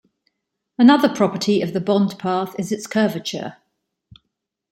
Another property of the bond path is its curvature.